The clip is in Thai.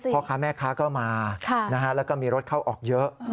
พ่อค้าแม่ค้าก็มาแล้วก็มีรถเข้าออกเยอะ